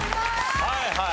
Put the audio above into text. はいはい。